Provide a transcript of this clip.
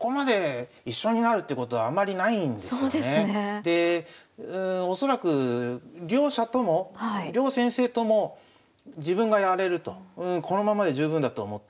で恐らく両者とも両先生とも自分がやれるとこのままで十分だと思って。